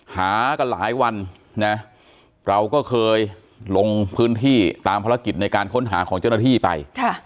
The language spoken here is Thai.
หากันหลายวันนะเราก็เคยลงพื้นที่ตามภารกิจในการค้นหาของเจ้าหน้าที่ไป